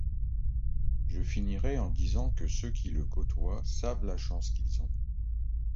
Je finirai en disant que ceux qui le côtoient savent la chance qu'ils ont.